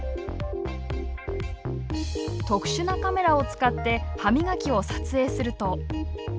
特殊なカメラを使って歯磨きを撮影すると。